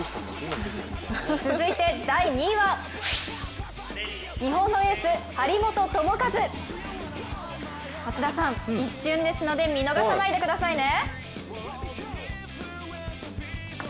続いて、第２位は、日本のエース・張本智和！松田さん、一瞬ですので見逃さないでくださいね。